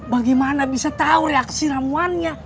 bagaimana bisa tahu reaksi ramuannya